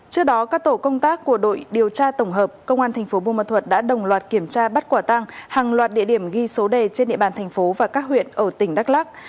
trước đó các tổ công tác của đội điều tra tổng hợp công an thành phố buôn ma thuật đã đồng loạt kiểm tra bắt quả tăng hàng loạt địa điểm ghi số đề trên địa bàn thành phố và các huyện ở tỉnh đắk lắc